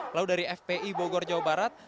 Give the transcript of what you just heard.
lalu dari fpi bogor jawa barat